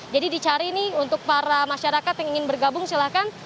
jadi cari nih untuk para masyarakat yang ingin bergabung silahkan